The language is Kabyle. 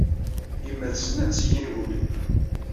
Yemma tessen ad d-teg ingulen.